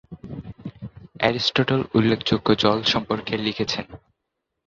Aristotle উল্লেখযোগ্য জল সম্পর্কে লিখেছিলেন।